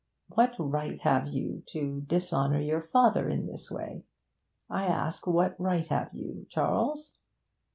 What right have you to dishonour your father in this way? I ask, what right have you, Charles?'